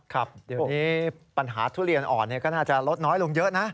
ครับเดี๋ยวนี้ปัญหาทุเรียนอ่อนก็น่าจะลดน้อยลงเยอะนะ